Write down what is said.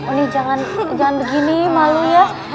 uli jangan begini malu ya